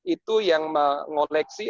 itu yang mengoleksi